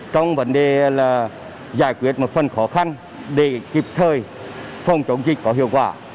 trong vấn đề là giải quyết một phần khó khăn để kịp thời phòng chống dịch có hiệu quả